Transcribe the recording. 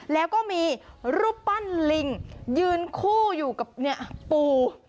แล้วก็มีรูปปั้นลิงยืนคู่อยู่กับปู